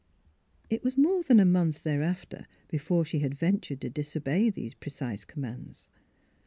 It was more than a month thereafter before she had ventured to disobey these precise commands.